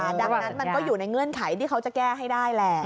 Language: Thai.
ดังนั้นมันก็อยู่ในเงื่อนไขที่เขาจะแก้ให้ได้แหละ